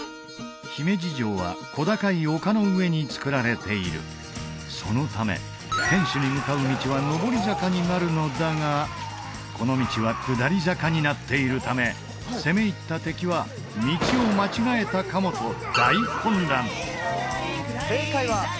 姫路城は小高い丘の上に造られているそのため天守に向かう道は上り坂になるのだがこの道は下り坂になっているため攻め入った敵は道を間違えたかもと大混乱！